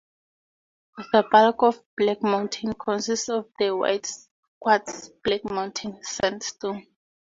The bulk of Black Mountain consists of the white quartz Black Mountain Sandstone.